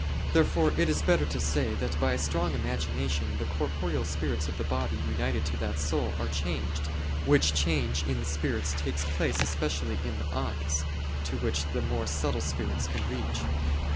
Therefore it is better to say, that by a strong imagination the (corporeal) spirits of the body united to that soul are changed, which change in the spirits takes place especially in the eyes, to which the more subtle spirits can reach.